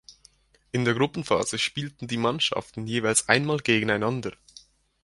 In der Gruppenphase spielten die Mannschaften jeweils einmal gegeneinander.